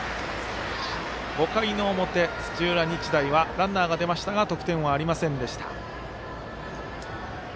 ５回の表、土浦日大はランナーが出ましたが得点はありませんでした。